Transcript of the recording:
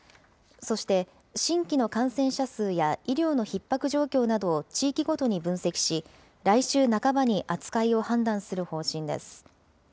そして新規の感染者数や医療のひっ迫状況などを地域ごとに分析し、来週半ばに扱いを判断する方針です。